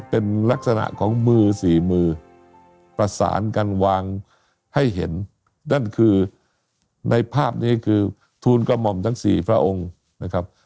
เป็นลักษณะของมือสี่มือประสานกันวางให้เห็นนั่นคือในภาพนี้คือทูลกระหม่อมทั้งสี่พระองค์นะครับ